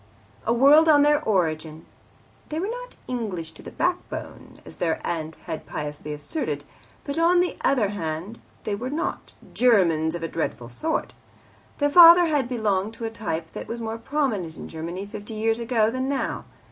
A word on their origin. They were not "English to the backbone," as their aunt had piously asserted. But, on the other band, they were not "Germans of the dreadful sort." Their father had belonged to a type that was more prominent in Germany fifty years ago than now.